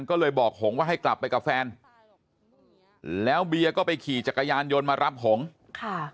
ก็เลยบอกหงว่าให้กลับไปกับแฟนแล้วเบียร์ก็ไปขี่จักรยานยนต์มารับหงค่ะ